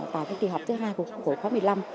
tại kỳ họp thứ hai của khóa một mươi năm